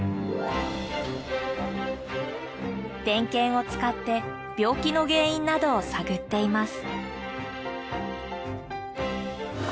デンケンを使って病気の原因などを探っています。